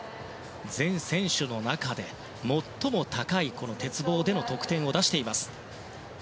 全選手の中で最も高い鉄棒での得点を出しています。